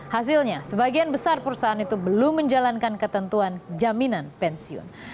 hasilnya sebagian besar perusahaan itu belum menjalankan ketentuan jaminan pensiun